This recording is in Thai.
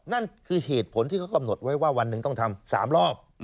นั่นคือเหตุผลที่เขากำหนดไว้ว่าวันหนึ่งต้องทำ๓รอบ